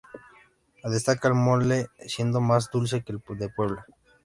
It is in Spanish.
Destaca el mole, siendo más dulce que el de Puebla.